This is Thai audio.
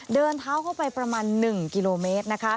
เดินเท้าเข้าไปประมาณ๑กิโลเมตร